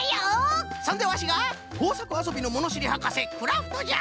そんでワシがこうさくあそびのものしりはかせクラフトじゃ！